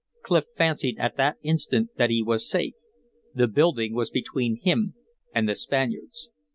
Clif fancied at that instant that he was safe. The building was between him and the Spaniards.